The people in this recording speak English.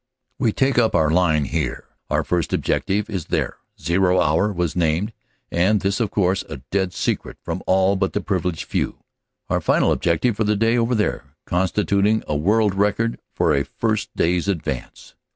We take up our line here; our first objective is there; "zero" hour was named (and this of course a dead secret from all but the privileged few) ; our final objective for the day over there constituting a world record for a first day s advance!